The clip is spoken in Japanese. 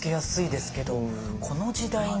この時代に。